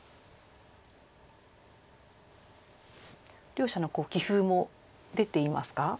両者の棋風も出ていますか？